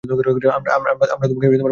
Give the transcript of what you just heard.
আমরা তোমাকে বাড়ি নিয়ে যাবো।